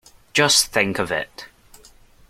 Just think of it!